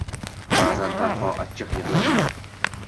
Ba’zan tanho achchiq yig’layman.